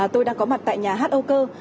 tôi đang có mặt tại nhà hát âu cơ